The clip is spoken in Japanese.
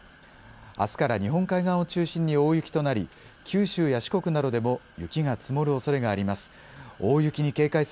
あすから日本海側を中心に大雪となり九州や四国などでも雪が積もるおそれがあります。